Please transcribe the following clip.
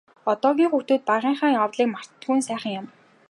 Одоогийн хүүхэд багынхаа явдлыг мартдаггүй нь сайхан юм.